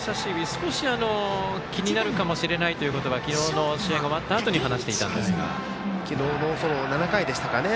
少し気になるかもしれないということは昨日の試合が終わったあとに昨日、７回でしたかね。